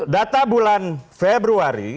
data bulan februari